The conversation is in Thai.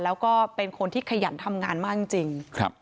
แล้วก็เป็นคนที่ขยันทำงานมากจริง